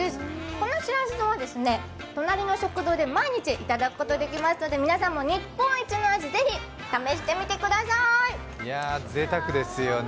このしらす丼は隣の食堂で毎日いただくことができますので、皆さんも日本一の味、ぜひ試してみてください！